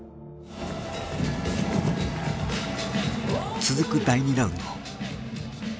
続く第２ラウンド。